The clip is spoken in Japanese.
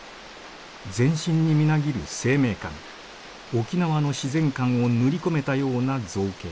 全身にみなぎる生命感沖縄の自然観を塗り込めたような造形。